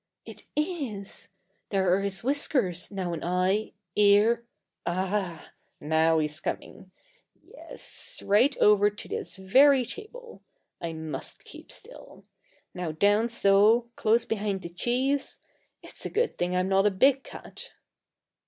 It is! There are his whiskers, now an eye ear Ah h h! Now he's coming! Yes, right over to this very table I must keep still. Now down so: close behind the cheese. It's a good thing I'm not a big cat.